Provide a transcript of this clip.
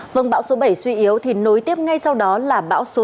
vâng bão số bảy suy yếu thì nối tiếp ngay sau đó là bão số năm